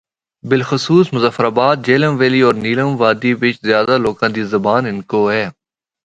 بلخصوص مظفرٓاباد، جہلم ویلی ہور نیلم وادی بچ زیادہ لوگاں دی زبان ہندکو ہے۔